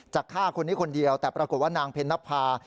ฆ่าคนนี้คนเดียวแต่ปรากฏว่านางเพ็ญนภา